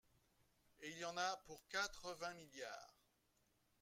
Et il y en a pour quatre-vingts milliards